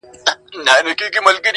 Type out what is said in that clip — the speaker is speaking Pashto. نه دعوه نه بهانه سي څوك منلاى-